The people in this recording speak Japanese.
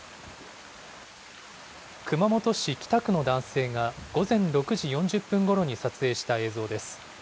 熊本市北区の男性が、午前６時４０分ごろに撮影した映像です。